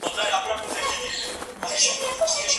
شاګرد ته د کتابونو ښودل د استاد دنده ده.